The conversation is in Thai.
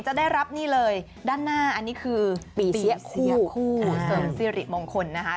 จะได้รับนี่เลยด้านหน้าอันนี้คือปีเสียคู่เสริมสิริมงคลนะคะ